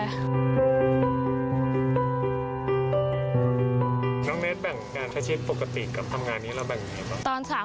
น้องเนธแบ่งงานทะเชษปกติกับทำงานนี้เราแบ่งอย่างไรครับ